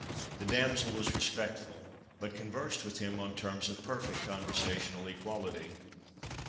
The damsel was respectful, but conversed with him on terms of perfect conversational equality.